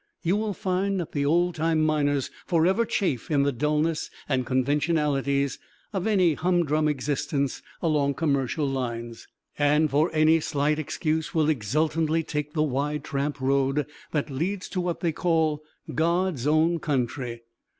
You will find that the old time miners forever chafe in the dullness and conventionalities of any humdrum existence along commercial lines, and for any slight excuse will exultantly take the wide tramp road that leads to what they call "God's own country."